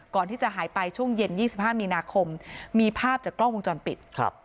ก่อนที่จะหายไปช่วงเย็น๒๕มีนาคมมีภาพจากกล้องวงจรปิดครับ